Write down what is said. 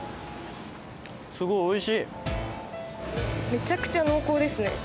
めちゃくちゃ濃厚ですね。